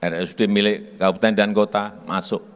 rsud milik kabupaten dan kota masuk